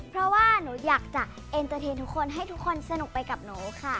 เพราะว่าหนูอยากจะเอ็นเตอร์เทนทุกคนให้ทุกคนสนุกไปกับหนูค่ะ